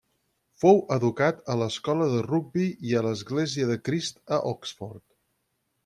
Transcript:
Fou educat a l'escola de Rugbi i a l'Església de Crist, a Oxford.